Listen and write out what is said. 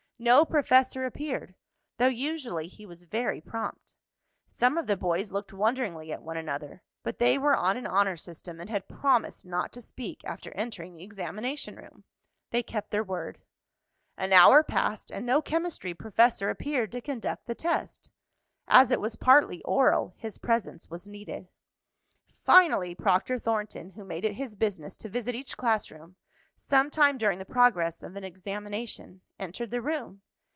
No professor appeared, though usually he was very prompt. Some of the boys looked wonderingly at one another, but they were on an honor system, and had promised not to speak after entering the examination room. They kept their word. An hour passed, and no chemistry professor appeared to conduct the test. As it was partly oral, his presence was needed. Finally, Proctor Thornton, who made it his business to visit each class room, some time during the progress of an examination, entered the room.